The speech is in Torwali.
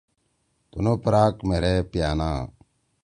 تُونُو پراک مھیرے پیانا